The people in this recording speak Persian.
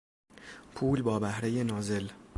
پول با بهرهی نازل